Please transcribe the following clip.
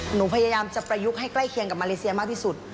หนูพยายามจะประยุกต์ให้ใกล้เคียงกับมาเลเซียมากที่สุด